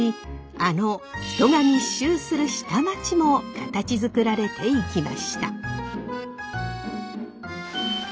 あの人が密集する下町も形づくられていきました。